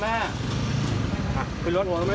แม่ก็ให้โอกาสแม่ก็ให้โอกาสแม่